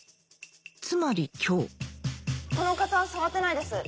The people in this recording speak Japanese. つまり今日この方触ってないです